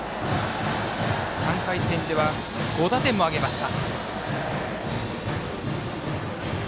３回戦では、５打点も挙げました。